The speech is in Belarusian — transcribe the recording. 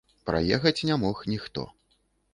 Праехаць не мог ніхто.